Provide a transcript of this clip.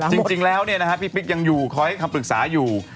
หลังหมดนะครับพี่ปิ๊กยังอยู่ขอให้คำปรึกษาอยู่